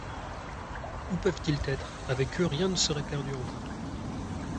Où peuvent-ils être ? Avec eux, rien ne serait perdu encore.